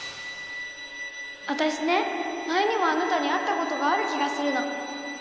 わたしね前にもあなたに会ったことがある気がするの。